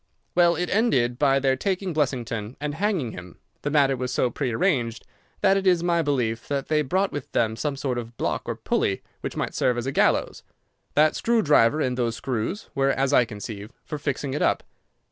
"Well, it ended by their taking Blessington and hanging him. The matter was so prearranged that it is my belief that they brought with them some sort of block or pulley which might serve as a gallows. That screw driver and those screws were, as I conceive, for fixing it up.